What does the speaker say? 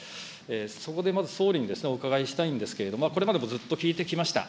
そこでまず総理にお伺いしたいんですけれども、これまでもずっと聞いてきました。